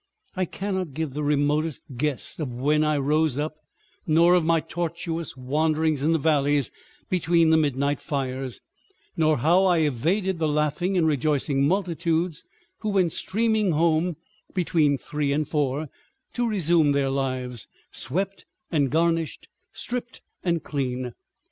... I cannot give the remotest guess of when I rose up, nor of my tortuous wanderings in the valleys between the midnight fires, nor how I evaded the laughing and rejoicing multitudes who went streaming home between three and four, to resume their lives, swept and garnished, stripped and clean.